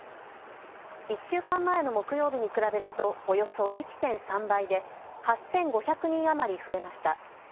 １週間前の木曜日に比べるとおよそ１．３倍で８５００人余り増えました。